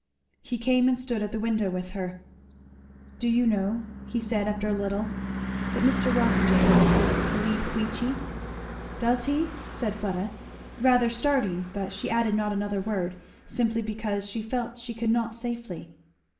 He came and stood at the window with her. "Do you know," he said, after a little, "that Mr. Rossitur purposes to leave Queechy?" "Does he?" said Fleda rather starting, but she added not another word, simply because she felt she could not safely.